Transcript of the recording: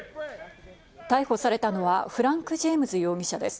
逮捕されたのはフランク・ジェームズ容疑者です。